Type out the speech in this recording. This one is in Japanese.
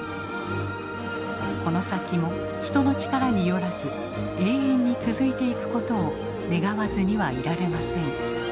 この先も人の力によらず永遠に続いていくことを願わずにはいられません。